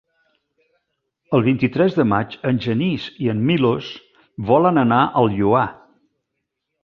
El vint-i-tres de maig en Genís i en Milos volen anar al Lloar.